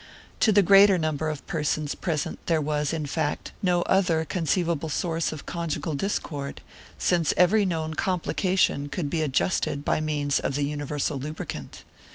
To the greater number of persons present there was, in fact, no other conceivable source of conjugal discord, since every known complication could be adjusted by means of the universal lubricant.